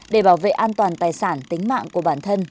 để bảo vệ an toàn tài sản tính mạng của bản thân